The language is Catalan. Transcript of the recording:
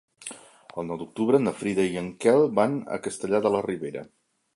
El nou d'octubre na Frida i en Quel van a Castellar de la Ribera.